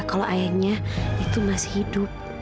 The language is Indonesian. kalau ayahnya itu masih hidup